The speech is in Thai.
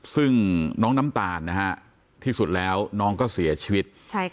ซึ่งน้องน้ำตาลที่สุดแล้วน้องก็เสียชีวิต